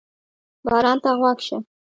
باران ته غوږ شه.